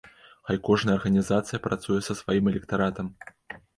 Хай кожная арганізацыя працуе са сваім электаратам.